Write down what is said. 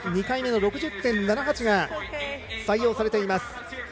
２回目の６０．７８が採用されています。